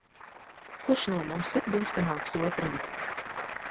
Kurš no mums ir bīstamāks otram.